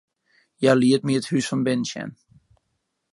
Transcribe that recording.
Hja liet my it hûs fan binnen sjen.